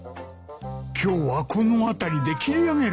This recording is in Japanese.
今日はこのあたりで切り上げるかな。